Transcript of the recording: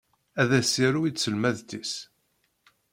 Ad as-yaru i tselmadt-is.